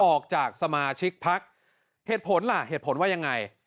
ออกจากสมาชิกพักเหตุผลล่ะเหตุผลว่ายังไง